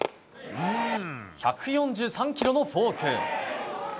１４３キロのフォーク。